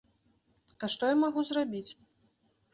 А што я магу зрабіць?